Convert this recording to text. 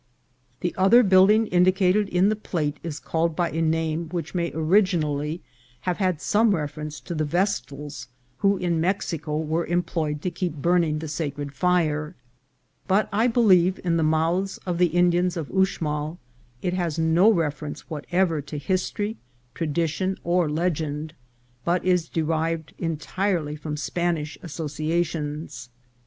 The other building indicated in the plate is called by a name which may originally have had some reference to the vestals who in Mexico were employed to keep burning the sacred fire ; but I believe in the mouths of the Indians of Uxmal it has no reference whatever to history, tradition, or legend, but is derived entirely from Spanish associations.